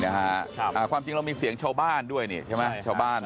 นี่นะครับความจริงเรามีเสียงชาวบ้านด้วยใช่ไหมชาวบ้าน